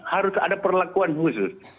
harus ada perlakuan khusus